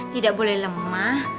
tidak boleh lemah